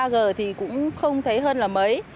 ba g thì cũng không thấy hơn là mấy